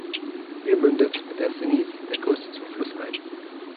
Hier mündet mit der Senice der größte Zufluss ein.